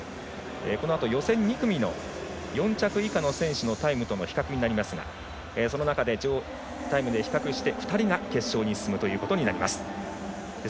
このあと予選２組の４着以下の選手のタイムとの比較になりますがその中でタイムで比較して２人が決勝に進むということになります。